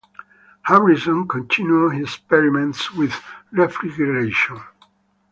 Harrison continued his experiments with refrigeration.